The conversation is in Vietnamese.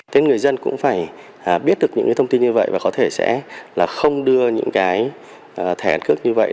thì người dân cũng phải biết được những thông tin như vậy và có thể sẽ không đưa những thẻ căn cước như vậy